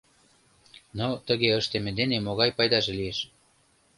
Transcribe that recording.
Но тыге ыштыме дене могай пайдаже лиеш?